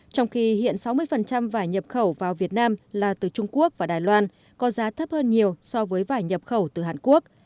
trong khi hiện sáu mươi vải nhập khẩu vào việt nam là từ trung quốc và đài loan có giá thấp hơn nhiều so với vải nhập khẩu từ hàn quốc